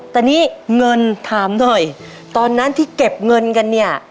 แต่นี่เงินถามหน่อยตอนนั้นที่เก็บเงินกันเนี่ย